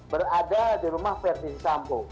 berada di rumah verdi sambo